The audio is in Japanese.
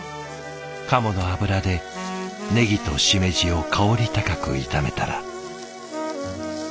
鴨の脂でネギとシメジを香り高く炒めたら。